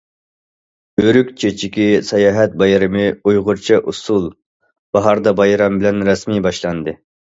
ئۆرۈك چېچىكى ساياھەت بايرىمى ئۇيغۇرچە ئۇسسۇل« باھاردا بايرام» بىلەن رەسمىي باشلاندى.